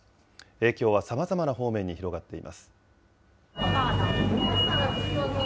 影響はさまざまな方面に広がっています。